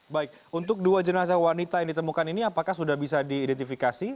baik untuk dua jenazah wanita yang ditemukan ini apakah sudah bisa diidentifikasi